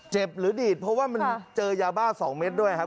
หรือดีดเพราะว่ามันเจอยาบ้า๒เม็ดด้วยครับ